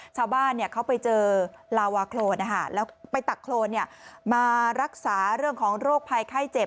ชาวบ้านเขาไปเจอลาวาโครนแล้วไปตักโครนมารักษาเรื่องของโรคภัยไข้เจ็บ